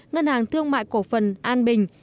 ngân hàng thương mại cổ phần an bình